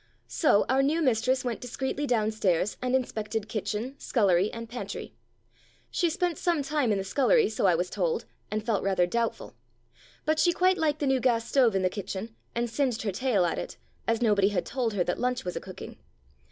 So our new mistress went discreetly downstairs p 233 "Puss cat" and inspected kitchen, scullery, and pantry. She spent some time in the scullery, so I was told, and felt rather doubtful. But she quite liked the new gas stove in the kitchen, and singed her tail at it, as nobody had told her that lunch was a cooking.